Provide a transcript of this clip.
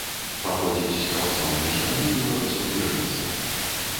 Паходзіць з праваслаўнай сям'і беларусаў-бежанцаў.